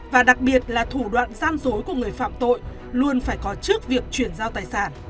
và đặc biệt là thủ đoạn gian dối của người phạm tội luôn phải có trước việc chuyển giao tài sản